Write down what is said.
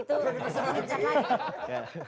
itu pesan lagi